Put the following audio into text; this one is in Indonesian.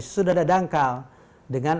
sudah ada dangkal dengan